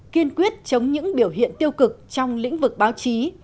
kiên quyết chống những biểu hiện tiêu cực trong lĩnh vực báo chí